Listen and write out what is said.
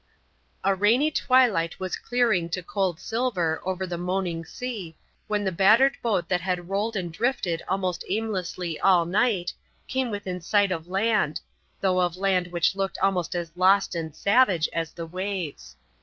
A rainy twilight was clearing to cold silver over the moaning sea, when the battered boat that had rolled and drifted almost aimlessly all night, came within sight of land, though of land which looked almost as lost and savage as the waves.